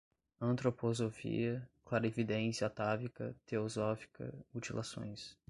antroposofia, clarividência atávica, teosófica, mutilações